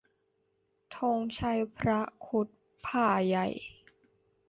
ธงชัยพระครุฑพ่าห์ใหญ่